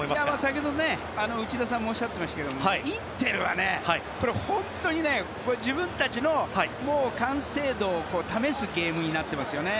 先ほど、内田さんもおっしゃってましたがインテルは本当に自分たちの完成度を試すゲームになってますよね。